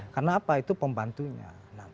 karena apa itu pembantunya